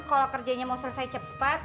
kalo kerjanya mau selesai cepet